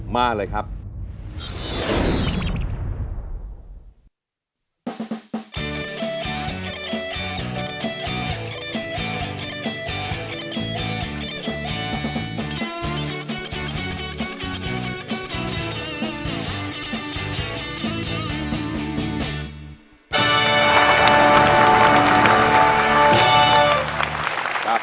มาเลยครับ